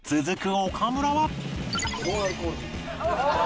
［続く岡村は］